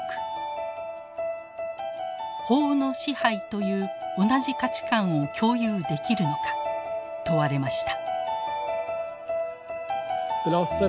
「法の支配」という同じ価値観を共有できるのか問われました。